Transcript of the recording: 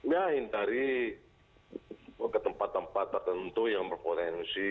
ya intari ke tempat tempat tertentu yang berpotensi untuk